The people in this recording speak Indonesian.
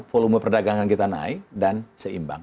volume perdagangan kita naik dan seimbang